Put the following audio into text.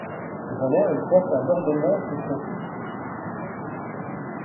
Cependant, elle porte un ornement sur son sourcil.